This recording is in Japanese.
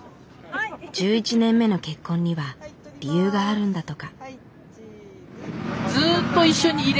１１年目の結婚には理由があるんだとか。